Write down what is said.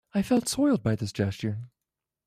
I felt soiled by this gesture.